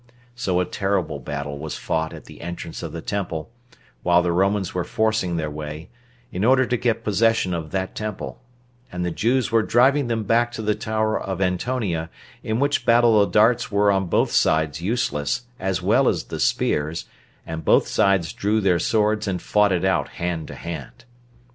So a terrible battle was fought at the entrance of the temple, while the Romans were forcing their way, in order to get possession of that temple, and the Jews were driving them back to the tower of Antonia; in which battle the darts were on both sides useless, as well as the spears, and both sides drew their swords, and fought it out hand to hand.